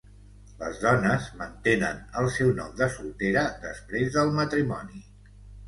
Les dones mantenen el seu nom de soltera després del matrimoni.